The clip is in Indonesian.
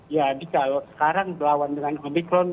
jadi kalau sekarang berlawan dengan omikron